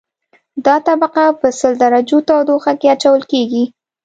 دا طبقه په سل درجو تودوخه کې اچول کیږي